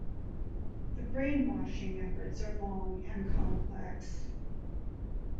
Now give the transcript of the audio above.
The brainwashing efforts are long and complex.